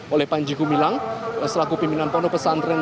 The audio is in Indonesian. oleh panji gumilang selaku pimpinan pondok pesantren